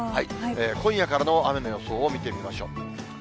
今夜からの雨の予想を見てみましょう。